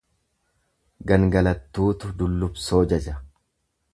Gangalattuutu dullubsoo jaja.